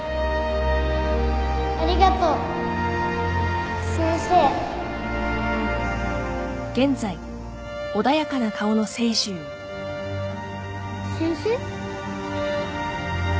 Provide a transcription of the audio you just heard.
ありがとう先生先生？